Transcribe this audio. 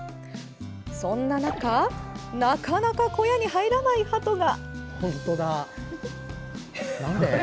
そんな中なかなか小屋に入らないはとが。